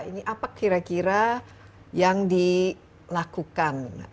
ini apa kira kira yang dilakukan